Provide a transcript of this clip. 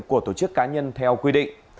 của tổ chức cá nhân theo quy định